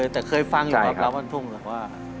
แต่เคยฟังอยู่กับรับบ้านทุ่งคือว่า